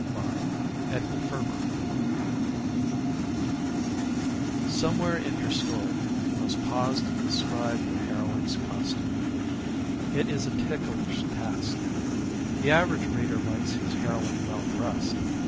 III WHAT SHE WORE Somewhere in your story you must pause to describe your heroine's costume. It is a ticklish task. The average reader likes his heroine well dressed.